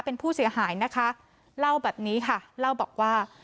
เป็นผู้เสียหายนะคะเล่าแบบนี้ค่ะเล่าบอกว่า